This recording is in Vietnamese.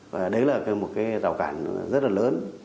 và đấy là một cái rào cản rất là lớn